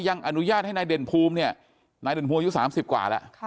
ยังอนุญาตให้นายเด่นภูมิเนี่ยนายเด่นพวงอายุ๓๐กว่าแล้ว